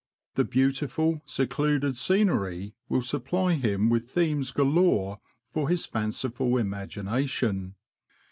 The beautiful, secluded scenery will supply him with themes galore for his fanciful imagination.